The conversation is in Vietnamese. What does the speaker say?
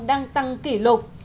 đang tăng kỷ lục